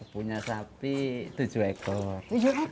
punya sapi tujuh ekor